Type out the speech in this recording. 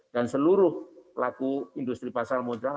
dan seluruh pelaku industri pasar modal